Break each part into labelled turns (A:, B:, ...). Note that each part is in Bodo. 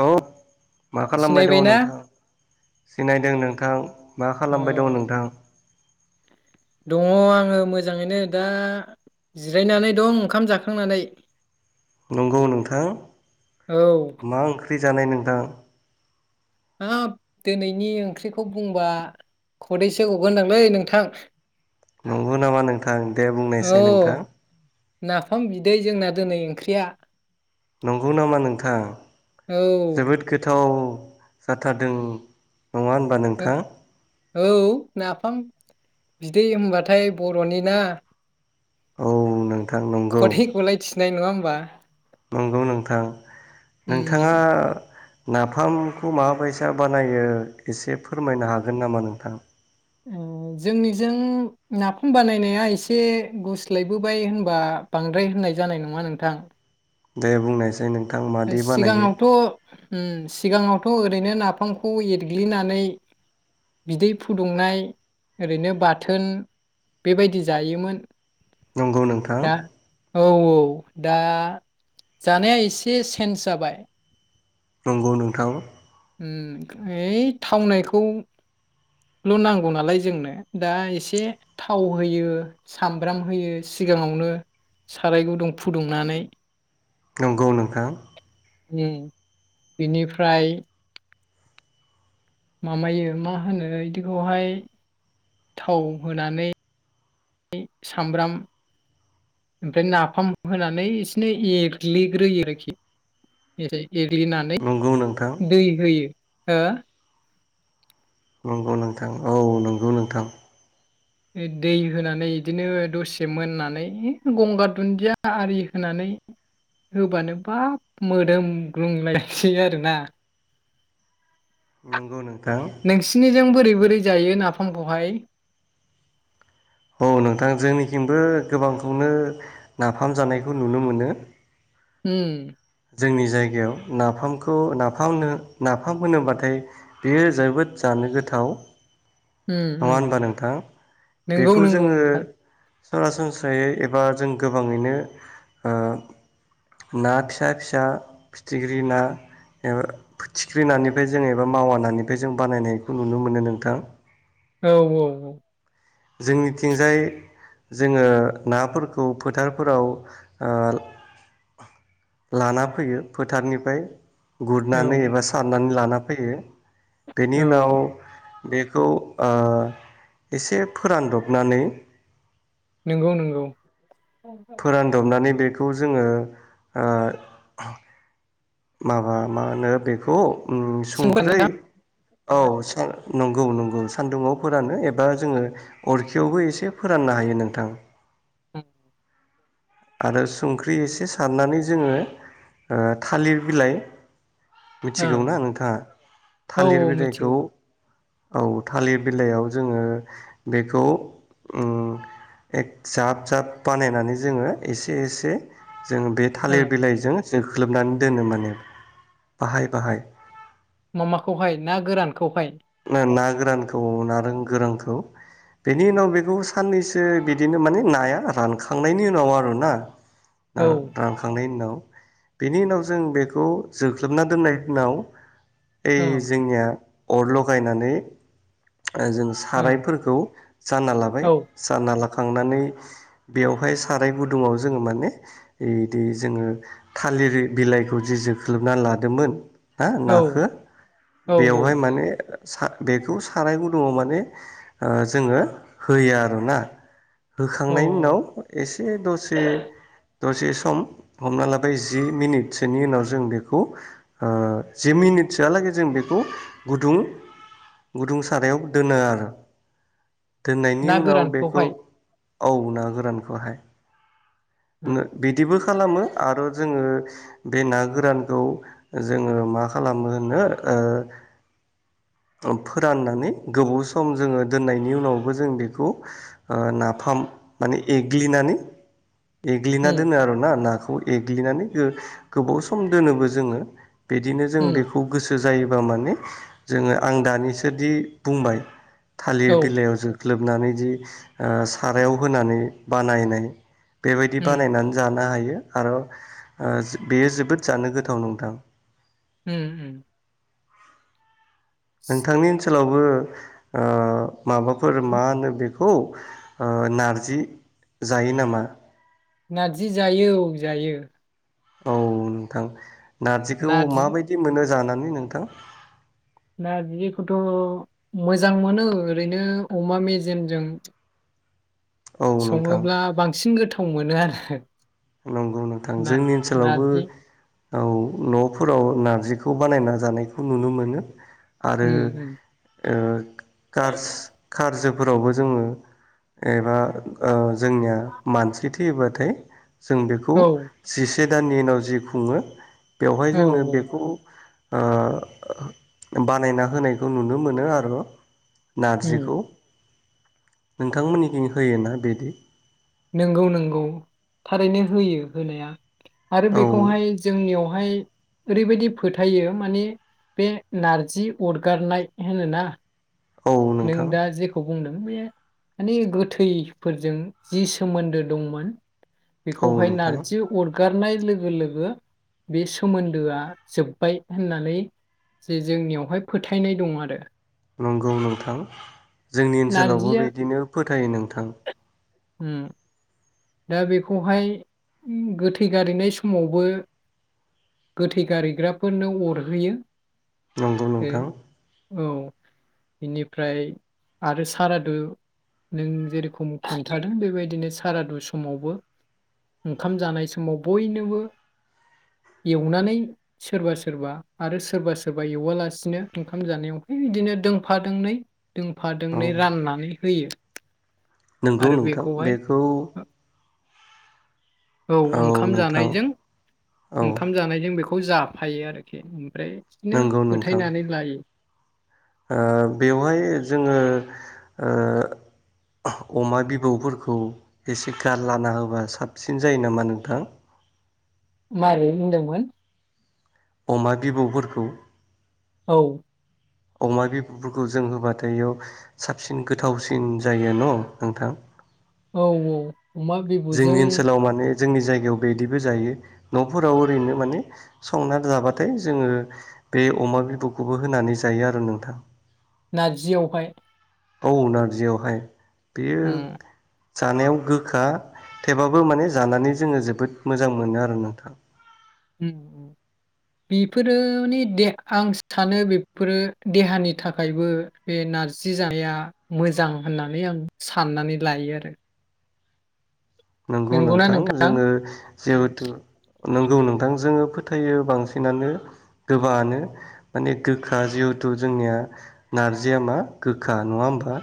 A: अ मा खालामबाय दङ
B: सिनायबायना
A: नोंथाङा सिनायदों नोंथां मा खालामबाय दङ
B: अ
A: नोंथां
B: दङ आंङो मोजाङैनो दा जिरायनानै दं ओंखाम जाखांनानै
A: नंगौ नोंथां
B: औ
A: मा ओंख्रि जानाय नोंथां
B: हाब दिनैनि ओंख्रिखौ बुंबा खदैसो गगोनदांलै नोंथां
A: नंगौ नामा नोंथां दे
B: औ
A: बुंनायसाय नोंथां
B: नाफाम बिदै जोंना दिनै ओंख्रिया
A: नंगौ नामा नोंथां
B: औ
A: जोबोद गोथाव जाथारदों नङा होनबा नोंथां
B: औ नाफाम बिदै होनबाथाय बरनि ना
A: औ नों
B: खथेखौलाय थिनाय नङा होमबा [inaudible]
A: नंगौ नोंथां नोंथाङा
B: उम
A: नाफामखौ माबैसा बानायो एसे फोरमायनो हागोन नामा नोंथां
B: उम जोंनिजों नाफाम बानायनाया एसे गुस्लायबोबाय होनबा बांद्राय होननाय जानाय नङा नोंथां
A: दे बुंनायसाय नों
B: सिगाङावथ उम सिगाङावथ ओरैनो नाफामखौ एरग्लिनानै बिदै फुदुंनाय ओरैनो बाथोन बेबायदि जायोमोन
A: नंगौ नोंथां
B: दा औ औ दा जानाया एसे जे सेन्स जाबाय
A: नंगौ नोंथां
B: उम ओइ थावनायखौल नांगौ नालाय जोंनो दा एसे थाव होयो सामब्राम होयो सिगाङावनो साराय गुदुं फुदुंनानै
A: नंगौ नोंथां
B: उम बिनिफ्राय माबायो मा होनो इदिखौहाय थाव होनानै सामब्राम ओमफ्राय नाफाम होनानै इसेनो एरग्लिग्रोयो आरोखि एरग्लिनानै
A: नंगौ नोंथां
B: दै होयो हो
A: नंगौ नोंथां औ नंगौ नोंथां
B: दै होनानै बिदिनो दसे मोननानै गंगार दुन्दिया आरि होनानै होबानो बाब मोदोमग्लुंलायसै आरोना
A: दनो
B: नोंसिनि जों बोरै बोरै जायो नाफामखौहाय?
A: औ नोंथां जोंनिखैबो गोबांखौनो नाफाम जानायखौ नुनो मोनो
B: उम
A: जोंनि जायगायाव नाफामखौ नाफाम नाफाम होनोब्लाथाय बेयो जोबोद जानो गोथाव
B: उम
A: नङा
B: उम
A: होनबा नोंथां
B: नंगौ
A: बेखौ
B: नंगौ
A: जोङो
B: नोंखा
A: सरासनस्रायै एबा जों गोबाङैनो ओ ना फिसा फिसा फिथिख्रि ना एबा फोथिख्रि नानिफ्राय जों एबा मावा नानिफ्राय जों बानायनायखौ नुनो मोनो नोंथां।
B: औ औ औ
A: जोंनिथिंजाय जोङो नाफोरखौ फोथारफोराव ओ लाना फैयो फोथारनिफ्राय
B: औ
A: गुरनानै एबा सारनानै लानानै फैयो। बेनि उनाव।
B: औ
A: बेखौ ओ इसेब। फोरानदबनानै।
B: नोंगौ नोंगौ।
A: फोरानदबनानै बेख खौ जोङो ओ। माबा मा होनो बेखौ। ओम
B: सोंगोन
A: संख्रै।
B: नोंथां।
A: औ सेंग नंगौ नंगौ सानदुङाव फोरानो एबा जोंङो अरखियावबो एसे फोराननो हायो नोंथां।
B: [unintelligible]
A: आरो सुंख्रि इसे सारनानै जोंङो ओ थालिर बिलाइ।
B: ओ
A: मिथिगौ ना नोंथांङा
B: औ
A: थालिर
B: औ
A: बिलाइखौ।
B: मिथिगौ
A: औ थालिर बिलाइयाव जोंङो बेखौ ओम एक जाब जाब बानायनानै जोंङो। इसे एसे। जों बे
B: ओ
A: थालिर बिलाइजों। जोंख्लोबनानै दोनो माने बाहाय बाहाय।
B: खौहाय?
A: ना गोरानखौ नारों गोरांखौ बेनि उनाव बेखौ साननैसो बिदिनो माने नाया रानखांनायनि उनाव आरोना। ओ रानखांनायनि उनाव। बेनि उनाव जों बेखौ जोख्लोबना दोननाय उनाव।
B: ओ
A: ओइ जोंनिया। अरलख बायनानै। ओ जों
B: औ
A: सारायफोरखौ जानना लाबाय जानना ला खांनानै बेयावहाय साराय गुदुङाव जों माने इदि जोंङो थालिर बिलाइखौ जे जोख्लोबना लादोमोन। हा
B: औ
A: नाखो
B: औ
A: बेवहाय माने सा बेखौ साराय गुदुंङाव माने ओ जोंङो होयो आरोना।
B: अ
A: होखांनायनि उनाव एसे दसे। दसे सम हमना लाबाय जि मिनिटसोनि उनाव जों बेखौ ओ जि मिनिटसोआलागै जों बेखौ गुदुं गुदुं सारायावब दोनो आरो। दोननायनि
B: ना
A: उनाव बेखौ
B: गोरानखौहाय
A: औ ना गोरानखौहाय। नो
B: उम
A: बिदिबोख खालामो आर'जोंङो बे ना गोरानखौ जोंङो मा खालामो होनो ओ फो-फोराननानै गोबाव सम जोंङो दोननायनि उनावबो जों बेखौ ओ नाफाम माने एग्लिनानै एग्लिना
B: उम
A: दोनो आर' ना नाखौ। खौ एग्लिनानै गोबाव सम दोनोबो जोङो। बिदिनो जों
B: उम
A: बेखौ गोसो जायोबा माने जोङो आं दानिसोदि बुंबाय थालिर
B: औ
A: बिलाइ जोख्लोब नानै जि सारायाव होनानै बानायनाय बेबायदि
B: उम
A: बानायनानै जानो हायो। आरो बेयो जोबोद जानो गोथाव नोंथां।
B: होम ओम
A: नोंथांनि ओनसोल ओनसोलावबो ओ माबाफोर
B: उम
A: मा होनो बेखौ औ नारजि जायो नामा?
B: नारजि जायो औ जायो।
A: औ नोंथां नारजिखौ
B: नारजि
A: माबायदि मोनो? जानानै नोंथां
B: नारजिखौथ' मोजां मोनो ओरैनो अमा मेजेमजों
A: औ नोंथां
B: सङोब्ला बांसिन गोथाव गोथाव मोनो आरो
A: नंगौ नोंथां
B: ना
A: जोंनि ओनसोलावबो
B: नारजि
A: औ न'फोराव नारजिखौ बानायना जानायखौ नुनो मोनो। आरो
B: उम उम
A: ओं। कारस खारजोब फोरावबो जोङो एबा ओ जोंनिया मानसि थैयोबाथाय जों बेखौ
B: औ
A: जि से दाननि उनाव जि खुङो। बेवहाय
B: औ
A: जोङो
B: औ
A: बेखौ ओ बानायना होनायखौ नुनो मोनो आरो।
B: उम
A: नारजिखौ। नोंथांमोननिथिं होयोना बिदि?
B: नंगौ नंगौ थारैनो होयो होनाया। आरो
A: औ
B: बेखौहाय जोंनियाव बेहाय ओरैबायदि फोथायो माने बे नारजि अरगारनाय होनोना
A: औ
B: नों
A: नोंथां
B: दा जेखौ बुंदों बे माने गोथैफोरजों जि सोमोन्दो दंमोन
A: औ
B: बेखौहाय
A: नोंथां
B: नारजि अरगारनाय लोगो लोगो लोगो बे सोमोन्दोआ जोब्बाय होननानै जे जोंनियावहाय फोथायनाय दं आरो।
A: नंगौ नोंथां जोंनि ओनसोलावबो
B: नारजिया
A: बिदिनो फोथायो नोंथां।
B: उम। दा बेखौहाय गोथै गारैनाय समावबो गोथै गारैग्राफोरनो अरहोयो।
A: नंगौ नोंथां।
B: बेनिफ्राय आरो सारादु नों जेरेखम खोन्थादों बेबायदिनो सारादु समावबो ओंखाम जानाय समाव बयनोबो एवनानै सोरबा सोरबा आरो सोरबा एवालासिनो ओंखाम जानायावहाय बिदिनो दोंफा दोंनै दोंफा
A: औ
B: दोंनै राननानै होयो।
A: नंगौ
B: आरो
A: नोंथां
B: बेखौहाय
A: बेखौ
B: औ ओंखाम जानायजों
A: औ
B: ओंखाम जानायजों बेखौ खौ जाफायो आरोखि उम। खायनो
A: नंगौ नोंथां
B: फोथायनानै लायो।
A: ओ बेवहाय जोङो ओ अमा बिबौफोरखौ एसे गारलाना होबा साबसिन जायो नामा नोंथां?
B: मोरै बुंदोंमोन?
A: अमा बिबौफोरखौ
B: औ।
A: अमा बिबुफोरखौ जों होबाथाय इआव साबसिन गोथावसिन जायो न' नोंथां?
B: औ औ। अमा
A: जोंनि
B: बिबुजों
A: ओनसोलाव माने जोंनि जायगायाव बिदिबो जायो। न'फोराव ओरैनो माने संना जाबाथाय जोङो बे अमा बिबुखौबो होनानै जायो आरो नोंथां।
B: नारजियावहाय
A: औ नारजियावहाय बेयो
B: उम
A: जानायाव गोखा थेवबाबो माने जानानै जोङो जोबोद मोजां मोनो आरो नोंथां।
B: उम उम बेफोरो माने आं सानो बेफोरो देहानि थाखायबो बे नारजि जानाया मोजां होननानै आं साननानै लायो आरो।
A: नंगौ नोंथां। जोङो जेहेथु नंगौ नोंथां जोङो फोथायो बांसिनानो गोबाङानो माने गोखा। जिहेथु जोंनिया नारजिया मा गोखा नङा होमबा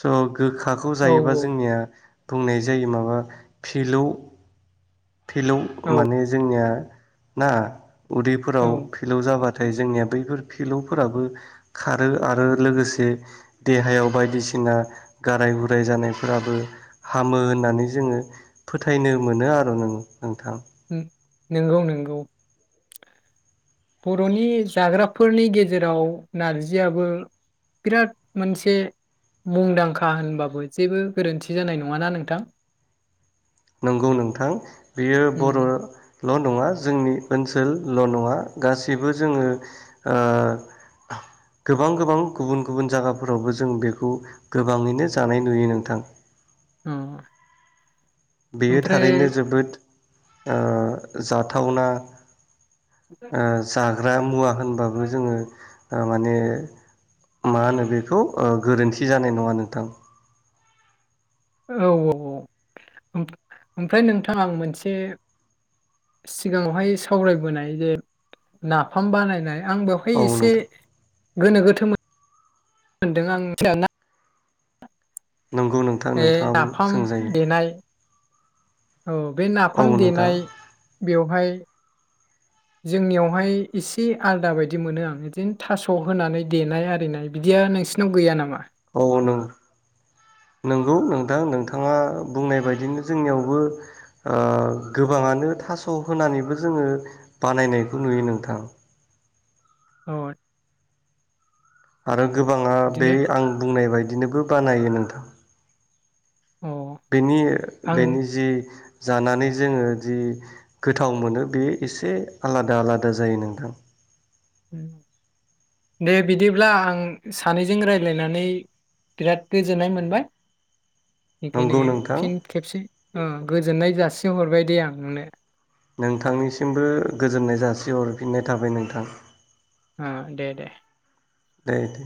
A: स' गोखाखौ
B: औ
A: जायोबा जोंनिया बुंनाय जायो माबा फिलौ फिलौ
B: औ
A: माने जोंनिया ना। उदैफोराव
B: औ
A: फलौ जाबा थाय जोंनिया बैफोर फिलौफोराबो खारो आरो लोगोसे देहायाव बायदिसिना गाराय गुराय जानायफोराबो हामो होननानै जोङो फोथायनो मोनो आरो नों नोंथां
B: नोंगौ नोंगौ बर'नि जाग्राफोरनि गेजेराव नारजियाबो बिराद मोनसे मुंदांखा होनबाबो जेबो गोरोन्थि जानाय नङाना नोंथां?
A: नंगौ नोंथां बेयो बर'
B: उम
A: ल' नङा जोंनि ओनसोल ल' नङा गासिबो जोङो ओ गोबां गोबां गुबुन गुबुन जागाफोरावबो जों बेखौ गोबाङैनो जानाय नुयो नोंथां।
B: उम
A: बेयो थारैनो जोबोद ओ जाथावना ओ जा ग्रा मुवा
B: औ
A: होनबाबो जोङो ओ माने मा होनो बेखौ ओ गोरोन्थि जानाय नङा नोंथां।
B: औ औ औ ओमफ्राय नोंथां आं मोनसे सिगाङावहाय सावरायबोनाय जे नाफाम बानायनाय आं बेवहाय
A: औ
B: इसे
A: नोंथां
B: गोनो गोथो मोनदों आं। [unintelligible]
A: नंगौ नोंथां
B: ए
A: नोंथाङाबो
B: नाफाम
A: सोंजायो
B: देनाय औ बे
A: औ
B: नाफाम
A: नोंथां
B: देनाय बेवहाय जोंनियावहाय इसे आलदा बायदि मोनो आं बिदिनो थास' होनानै देनाय आरिनाय बिदिया नोंसिनाव गैया नामा?
A: औ नों नोंगौ नोंथां नोंथाङा बुंनाय बायदिनो जोंनियावबो ओ गोबाङानो थास' होनानैबो जोङो बानायनायखौ नुयो नोंथां।
B: अ
A: आरो गोबाङा बे
B: बिदिनो
A: आं बुंनाय बाय दिनोबो बानायो नोंथां
B: अ
A: बेनि
B: आं
A: बेनि जि जानानै जोङो जि गोथाव मोनो बेयो एसे आलादा आलादा जायो नोंथां।
B: दे बिदिब्ला आं सानैजों रायलायनानै बिराद गोजोननाय मोनबाय। [unintelligible] खायनो
A: नंगौ नोंथां
B: फिन खेबसे उं गोजोननाय जासि हरबाय दे आं नोंनो।
A: नोंथांनिसिमबो गोजोननाय जासिहरफिननाय थाबाय नोंथां।
B: ओ दे दे।
A: दे दे।